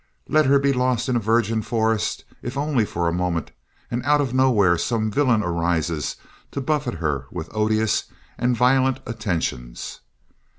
Let her be lost in a virgin forest, if only for a moment, and out of the nowhere some villain arises to buffet her with odious and violent attentions.